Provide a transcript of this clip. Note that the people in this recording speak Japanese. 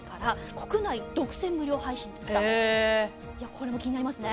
これも気になりますね。